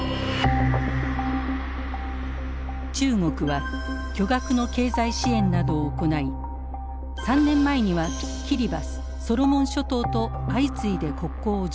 中国は巨額の経済支援などを行い３年前にはキリバスソロモン諸島と相次いで国交を樹立しました。